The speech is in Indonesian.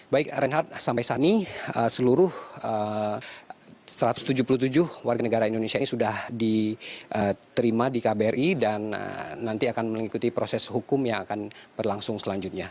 baik reinhardt sampai saat ini seluruh satu ratus tujuh puluh tujuh warga negara indonesia ini sudah diterima di kbri dan nanti akan mengikuti proses hukum yang akan berlangsung selanjutnya